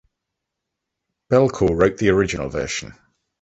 Bellcore wrote the original version.